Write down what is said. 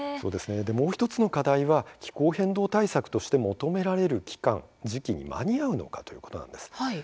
もう１つの課題は気候変動対策として求められている時期に間に合うのかという問題です。